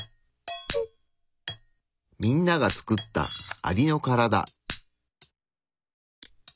みんなが作ったアリのカラダ。